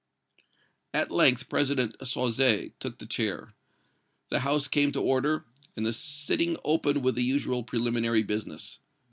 At length President Sauzet took the chair. The house came to order, and the sitting opened with the usual preliminary business.